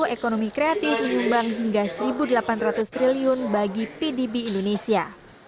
ekonomi kreatif menyumbang hingga rp satu delapan ratus triliun bagi pdb indonesia